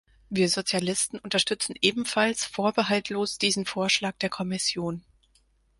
Wir Sozialisten unterstützen ebenfalls vorbehaltlos diesen Vorschlag der Kommission.